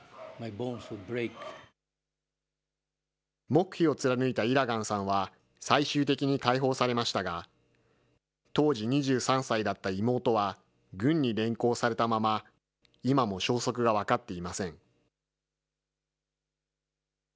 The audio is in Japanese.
黙秘を貫いたイラガンさんは最終的に解放されましたが、当時２３歳だった妹は、軍に連行されたまま、今も消息が分かっていません。